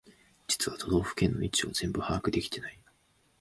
実は都道府県の位置を全部把握できてない